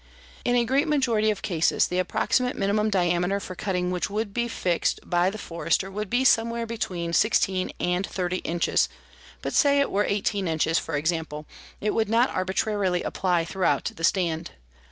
In a great majority of cases the approximate minimum diameter for cutting which would be fixed by it forester would be somewhere between 16 and 30 inches, but say it were 18 inches, for example, it would not arbitrarily apply throughout the stand.